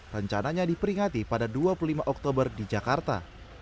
rencananya diperingati pada dua puluh lima oktober di jakarta